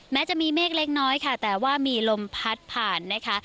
แม้จะมีเมฆเล็กน้อยค่ะแต่ว่ามีลมพัดผ่านนะคะ